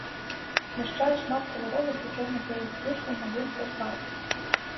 Змяшчае шмат каляровых і чорна-белых здымкаў, малюнкаў, карт.